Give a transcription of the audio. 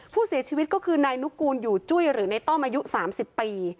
ผู้เสียชีวิตก็คือนายนุกูลอยู่จุ้ยหรือในต้อมอายุ๓๐ปี